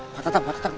pak tetep pak tetep